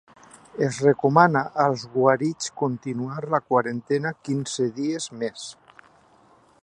Es recomana als guarits continuar la quarantena quinze dies més